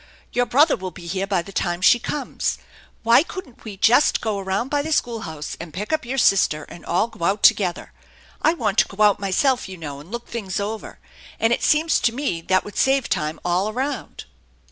Your brother will be here by the time she comes. Why couldn't we just go around by the schoolhouse and pick up your sister, and all go out together? I want to go out myself, you know, and look things over, and it seems to me that would save time all around.